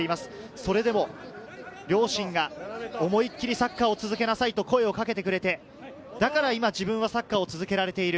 それでも両親が思いっきりサッカーを続けなさいと声をかけてくれて、だから今、自分はサッカーを続けられている。